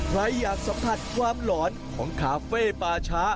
ใครอยากสัมผัสความหลอนของคาเฟ่ปาช้า